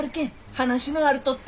話のあるとって。